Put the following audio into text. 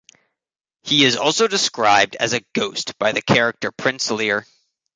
He is also described as a ghost by the character Prince Lir.